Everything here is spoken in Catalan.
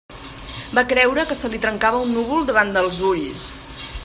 Va creure que se li trencava un núvol davant dels ulls.